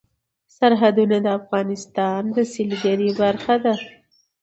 سرحدونه د افغانستان د سیلګرۍ برخه ده.